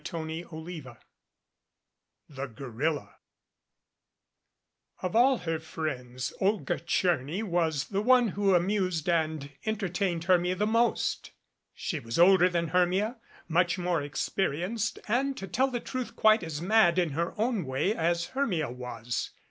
CHAPTER II THE GORILLA OF all her friends Olga Tcherny was the one who amused and entertained Hermia the most. She was older than Hermia, much more experienced and to tell the truth quite as mad in her own way as Hermia was.